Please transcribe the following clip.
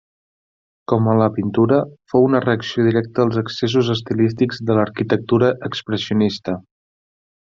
Com a la pintura, fou una reacció directa als excessos estilístics de l'arquitectura expressionista.